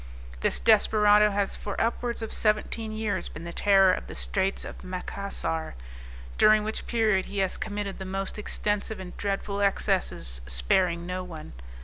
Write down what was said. This desperado has for upwards of seventeen years been the terror of the Straits of Macassar, during which period he has committed the most extensive and dreadful excesses sparing no one.